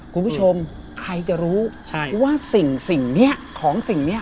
คุณผู้ชมใครจะรู้ว่าสิ่งนี้ของสิ่งนี้